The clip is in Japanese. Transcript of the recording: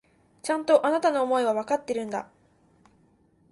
ちゃんと、あなたの思いはわかっているんだ。